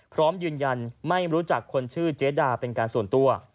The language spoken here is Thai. พร้อมยืนยันไม่รู้จักคนชื่อเจดาเป็นการส่วนตัว